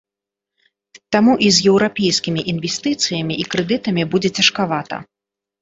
Таму і з еўрапейскімі інвестыцыямі і крэдытамі будзе цяжкавата.